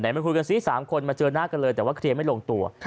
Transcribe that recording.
มาคุยกันซิ๓คนมาเจอหน้ากันเลยแต่ว่าเคลียร์ไม่ลงตัว